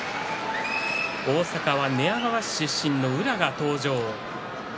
大阪は寝屋川市出身の宇良が登場。